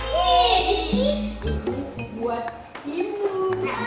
gue buat ibu di sini